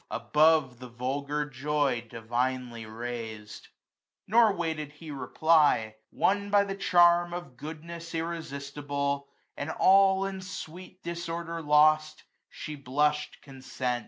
Above the vulgar joy divinely raised. Nor waited he reply. Won by the charm Of goodness irresistible, and all* In sweet disorder lost, she blush'd consent.